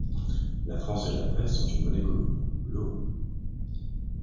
La France et la Grèce ont une monnaie commune, l'euro.